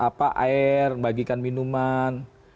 apa air bagikan minuman